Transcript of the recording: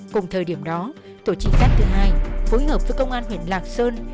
cùng thời điểm đó tổ trinh sát thứ hai phối hợp với công an huyện lạc sơn